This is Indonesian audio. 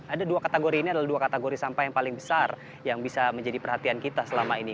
ada dua kategori ini adalah dua kategori sampah yang paling besar yang bisa menjadi perhatian kita selama ini